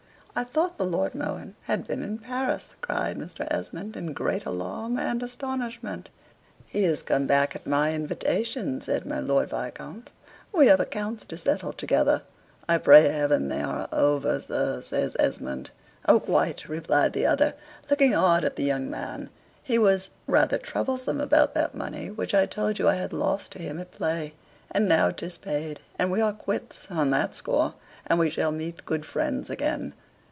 "I thought the Lord Mohun had been in Paris!" cried Mr. Esmond, in great alarm and astonishment. "He is come back at my invitation," said my Lord Viscount. "We have accounts to settle together." "I pray heaven they are over, sir," says Esmond. "Oh, quite," replied the other, looking hard at the young man. "He was rather troublesome about that money which I told you I had lost to him at play. And now 'tis paid, and we are quits on that score, and we shall meet good friends again."